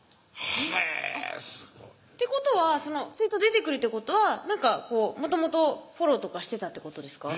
へぇすごいってことはそのツイート出てくるってことはもともとフォローとかしてたってことですか？